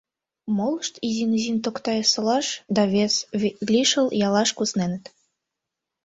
Молышт изин-изин Токтай-Солаш да вес лишыл яллаш кусненыт.